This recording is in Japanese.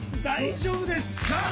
大丈夫ですか？